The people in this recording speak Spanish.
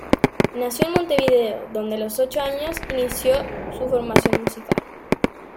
Nació en Montevideo, donde a los ocho años inició su formación musical.